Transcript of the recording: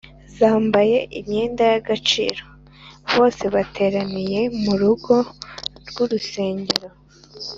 zambaye imyenda y’agaciro, bose bateraniye mu rugo rw’urusengero.